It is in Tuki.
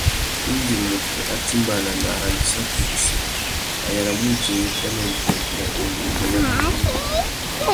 Indi mutu a timbāna nà arandissaki wussi, a yānamú udjï bênêbê nà imbîngô ya mbérénô.